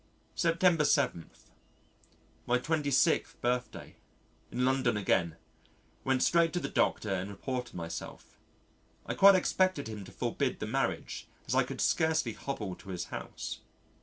September 7. My 26th birthday. In London again. Went straight to the Doctor and reported myself. I quite expected him to forbid the marriage as I could scarcely hobble to his house.